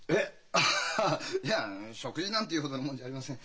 アハハいや食事なんて言うほどのもんじゃありません。